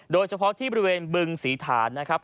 โดยเฉพาะที่บริเวณบึงศรีฐานนะครับ